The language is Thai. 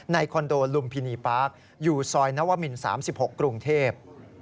คอนโดลุมพินีปาร์คอยู่ซอยนวมิน๓๖กรุงเทพ